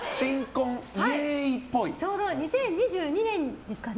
ちょうど２０２２年ですかね。